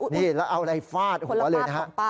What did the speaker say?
นี่แล้วเอาในฟาดหัวเลยนะครับ